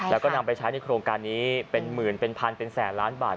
แล้วก็นำไปใช้ในโครงการนี้เป็นหมื่นเป็นพันเป็นแสนล้านบาท